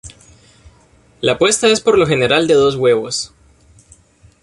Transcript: La puesta es por lo general de dos huevos.